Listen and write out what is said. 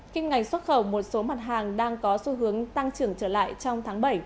kim ngành xuất khẩu một số mặt hàng đang có xu hướng tăng trưởng trở lại trong tháng bảy